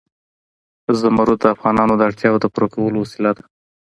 زمرد د افغانانو د اړتیاوو د پوره کولو وسیله ده.